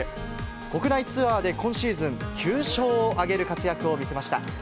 国内ツアーで今シーズン９勝を挙げる活躍を見せました。